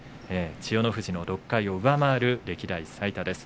千代の富士の６回を上回る歴代最多です。